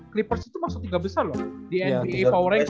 clippers itu masuk tiga besar loh di nba power rankings